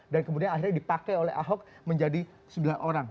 dan kemudian akhirnya dipakai oleh ahok menjadi sembilan orang